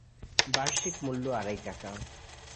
বার্ষিক মূল্য আড়াই টাকা।